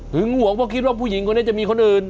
ห่วงเพราะคิดว่าผู้หญิงคนนี้จะมีคนอื่น